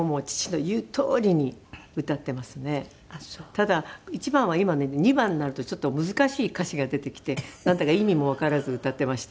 ただ１番は今ので２番になるとちょっと難しい歌詞が出てきてなんだか意味もわからず歌っていました。